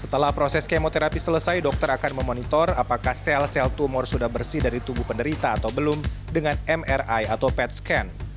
setelah proses kemoterapi selesai dokter akan memonitor apakah sel sel tumor sudah bersih dari tubuh penderita atau belum dengan mri atau pet scan